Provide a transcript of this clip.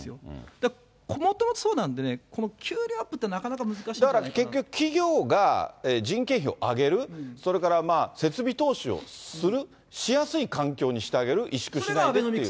だからもともとそうなんでね、この給料アップって、だから結局、企業が人件費を上げる、それから設備投資をする、しやすい環境にしてあげる、委縮しないでっていう。